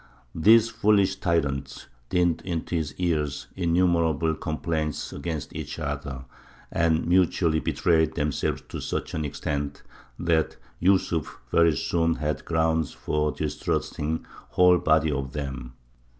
These foolish tyrants dinned into his ears innumerable complaints against each other, and mutually betrayed themselves to such an extent, that Yūsuf very soon had grounds for distrusting the whole body of them.